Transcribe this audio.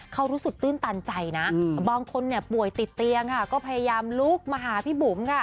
เขารู้สึกตื้นตันใจบางคนป่วยติดเตียงก็พยายามลุกมาหาพี่ปุ๋ม